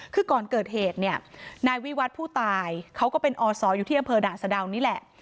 คือก่อนเกิดเหตุเนี่ยนายวิวัตรผู้ตายเขาก็เป็นอศอยู่ที่อำเภอด่านสะดาวนี่แหละ